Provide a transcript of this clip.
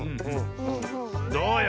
どうよ？